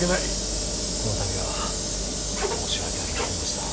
この度は申し訳ありませんでした。